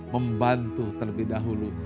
membantu terlebih dahulu